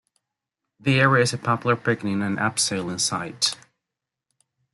The area is a popular picnic and abseiling site.